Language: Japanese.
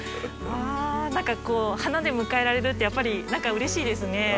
わ何かこう花で迎えられるってやっぱりうれしいですね。